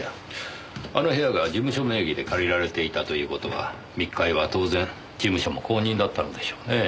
あの部屋が事務所名義で借りられていたという事は密会は当然事務所も公認だったのでしょうねぇ。